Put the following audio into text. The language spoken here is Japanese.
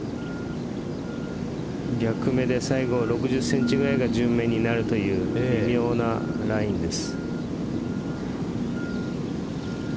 逆目で最後６０センチぐらいが順目になるという微妙なラインです。